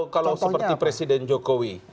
kalau seperti presiden jokowi